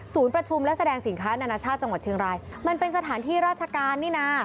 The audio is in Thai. ประชุมและแสดงสินค้านานาชาติจังหวัดเชียงรายมันเป็นสถานที่ราชการนี่นะ